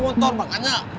itu pun besch